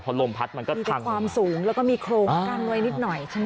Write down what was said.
พอลมพัดมันก็พังความสูงแล้วก็มีโครงกั้นไว้นิดหน่อยใช่ไหม